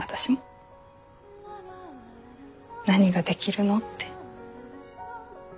何ができるの？って。